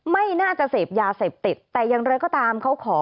ไม่น่าจะเสพยาเสพติดแต่อย่างไรก็ตามเขาขอ